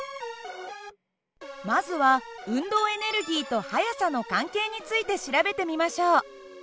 まずは運動エネルギーと速さの関係について調べてみましょう。